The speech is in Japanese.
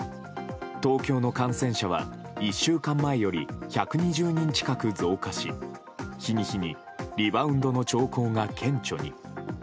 東京の感染者は１週間前より１２０人近く増加し日に日にリバウンドの兆候が顕著に。